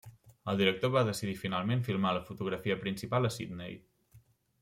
El director va decidir finalment filmar la fotografia principal a Sydney.